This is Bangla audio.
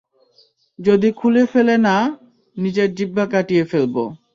যদি খুলে ফেলে না, নিজের জিহ্বা কাটিয়ে ফেলব।